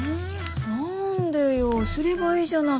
何でよすればいいじゃない。